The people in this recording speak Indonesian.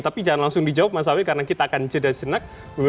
tapi jangan langsung dijawab mas awi karena kita akan jeda senak